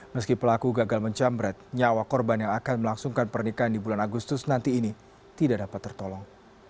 meski pelaku gagal menjamret nyawa korban yang akan melangsungkan pernikahan di bulan agustus nanti ini tidak dapat tertolong